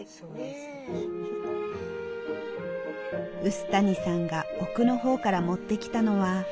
臼谷さんが奥の方から持ってきたのは。